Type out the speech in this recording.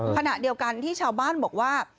ขณะเดียวกันที่ชาวบ้านบอกว่า